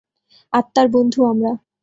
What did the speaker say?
আত্মার বন্ধু আমরা!